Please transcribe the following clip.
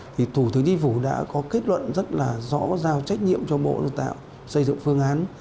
thì thủ tướng chính phủ đã có kết luận rất là rõ giao trách nhiệm cho bộ đào tạo xây dựng phương án